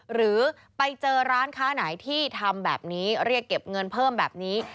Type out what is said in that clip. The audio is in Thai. หรือไปเจอร้านค้าไหนที่ทำแบบนี้เรียกเก็บเงินเพิ่มแบบนี้